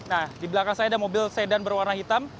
nah di belakang saya ada mobil sedan berwarna hitam